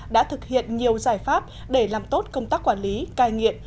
đã thực hiện nhiều giải pháp để làm tốt công tác quản lý cai nghiện